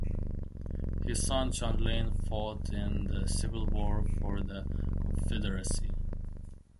His son John Lane fought in the Civil War for the Confederacy.